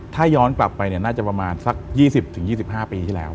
ถ้าย้อนกลับไปน่าจะประมาณสัก๒๐๒๕ปีที่แล้ว